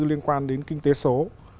liên quan đến kinh tế số